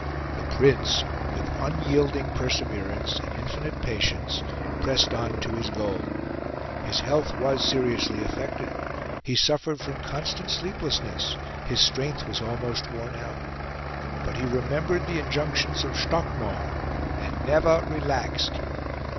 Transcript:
The Prince, with unyielding perseverance and infinite patience, pressed on to his goal. His health was seriously affected; he suffered from constant sleeplessness; his strength was almost worn out. But he remembered the injunctions of Stockmar and never relaxed.